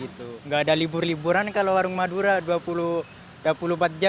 tidak ada libur liburan kalau warung madura dua puluh empat jam kecuali kiamat baru